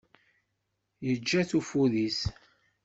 Yeǧǧa-t ufud-is.